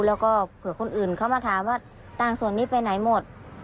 แล้วก็เผื่อคนอื่นเขามาถามว่าตังค์ส่วนนี้ไปไหนหมด